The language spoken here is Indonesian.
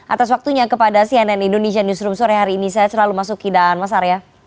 atas waktunya kepada cnn indonesia newsroom sore hari ini saya selalu mas uki dan mas arya